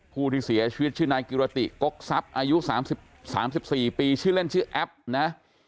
ผู้ที่เสียชีวิตชื่อนายกิรติกกทรัพย์อายุ๓๔ปีชื่อเล่นชื่อแอปนะ